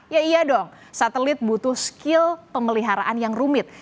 ya iya dong satelit butuh skill pemeliharaan yang rumit